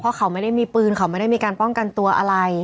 เพราะเขาไม่ได้มีปืนเขาไม่ได้มีการป้องกันตัวอะไร